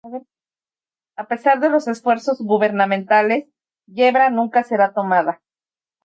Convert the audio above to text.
A pesar de los esfuerzos gubernamentales, Yebra nunca será tomada.